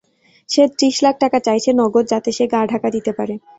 সে ত্রিশ লাখ টাকা চাইছে, নগদ, যাতে সে গা ঢাকা দিতে পারে।